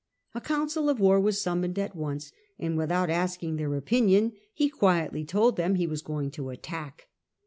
A council of war was summoned at once, and without asking their opinion he quietly told them he was going to attack.